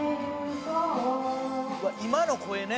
今の声ね